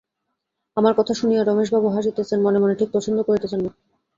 আমার কথা শুনিয়া রমেশবাবু হাসিতেছেন, মনে মনে ঠিক পছন্দ করিতেছেন না।